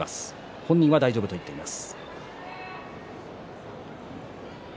本人は大丈夫と言っています。